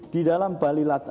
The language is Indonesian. di dalam bali latvo